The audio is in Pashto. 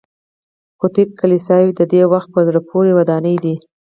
ګوتیک کلیساوې د دې وخت په زړه پورې ودانۍ دي.